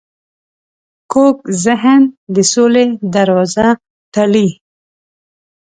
کوږ ذهن د سولې دروازه تړي